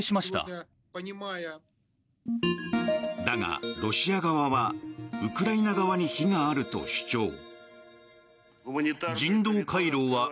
だが、ロシア側はウクライナ側に非があると主張。